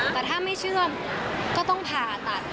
แต่ถ้าไม่เชื่อมก็ต้องผ่าตัด